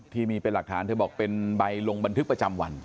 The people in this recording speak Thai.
ที่มีเป็นหลักฐานเธอบอกเป็นใบลงบันทึกประจำวัน